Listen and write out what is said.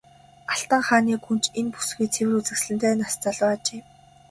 Алтан хааны гүнж энэ бүсгүй цэвэр үзэсгэлэнтэй нас залуу ажээ.